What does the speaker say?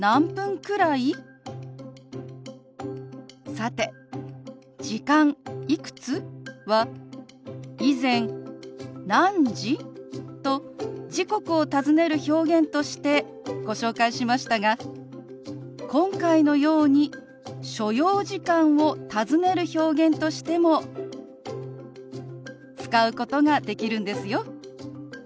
さて「時間」「いくつ？」は以前「何時？」と時刻を尋ねる表現としてご紹介しましたが今回のように所要時間を尋ねる表現としても使うことができるんですよ。